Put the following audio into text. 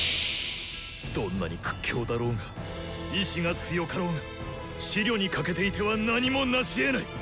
どんなに屈強だろうが意志が強かろうが思慮に欠けていては何もなしえない。